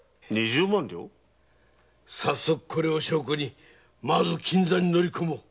早速これを証拠にまず金座に乗り込もう。